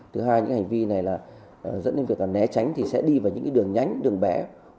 thứ hai những hành vi này là dẫn đến việc né tránh thì sẽ đi vào những đường nhánh đường bẻ